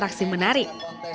dan juga untuk menarik